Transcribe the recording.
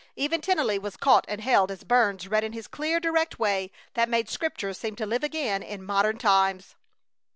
Even Tennelly was caught and held as Burns read in his clear, direct way that made Scripture seem to live again in modern times.